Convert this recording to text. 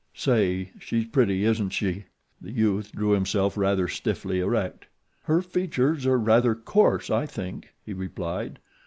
Say, she's pretty, isn't she?" The youth drew himself rather stiffly erect. "Her features are rather coarse, I think," he replied.